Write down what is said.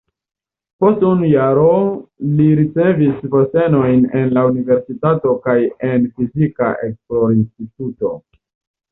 Post unu jaro li ricevis postenojn en la universitato kaj en fizika esplorinstituto.